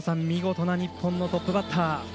見事な日本のトップバッター。